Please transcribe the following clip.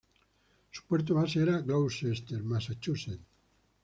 Su puerto base era Gloucester, Massachusetts.